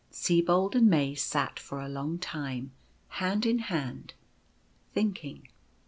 Sibold and May sat for a long time, hand in hand, thinking.